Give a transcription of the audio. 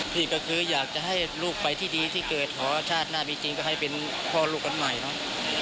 พี่ก็คืออยากจะให้ลูกไปที่ดีที่เกิดขอชาติหน้ามีจริงก็ให้เป็นพ่อลูกกันใหม่เนาะ